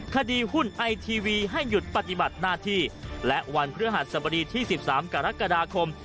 คดีหุ้นไอทีวีให้หยุดปฏิบัติหน้าที่และวันพฤหัสสบดีที่๑๓กรกฎาคม